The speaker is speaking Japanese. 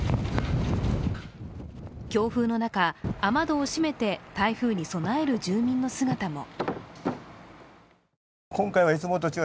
強風の中、雨戸を閉めて台風に備える住民の姿も。